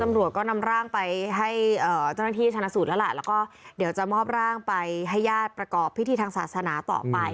แล้วก็เดี๋ยวจะมอบร่างไปให้ญาติประกอบพิธีทางศาสนาต่อไป